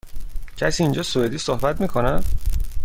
کسی اینجا سوئدی صحبت می کند؟